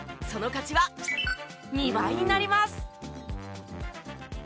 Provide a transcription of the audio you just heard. その価値は２倍になります。